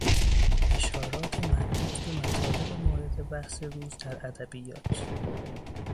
اشارات مربوط به مطالب مورد بحث روز در ادبیات